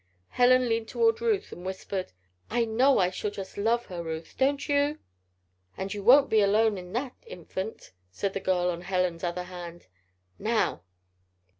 Helen leaned toward Ruth and whispered: "I know I shall just love her, Ruth don't you?" "And you won't be alone in that, Infant," said the girl on Helen's other hand. "Now!"